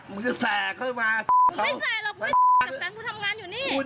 เมาควรกลับบ้านไปนอน